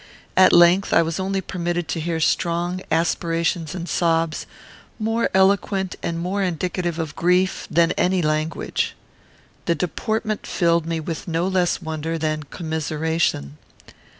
At length, I was only permitted to hear strong aspirations and sobs, more eloquent and more indicative of grief than any language. This deportment filled me with no less wonder than commiseration.